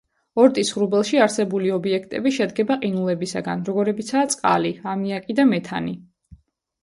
ორტის ღრუბელში არსებული ობიექტები შედგება ყინულებისაგან, როგორებიცაა წყალი, ამიაკი და მეთანი.